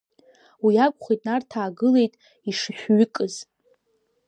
Уи акәхеит, Нарҭаа гылеит ишышәҩыкыз…